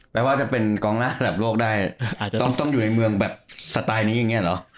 แปลว่าจะเป็นกองหน้าขุมระบโลกได้แต่ต้องอยู่ในเมืองแบบสไตล์นี้เนี่ยเหรอ